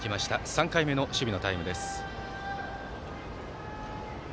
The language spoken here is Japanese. ３回目の守備のタイムです。